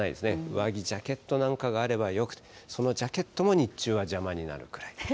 上着、ジャケットなんかがあればよく、そのジャケットも日中は邪魔になるくらい。